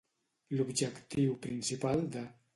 L'objectiu principal de.